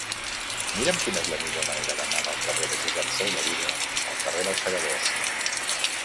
Mira'm quina és la millor manera d'anar del carrer de Josep Soldevila al carrer dels Segadors.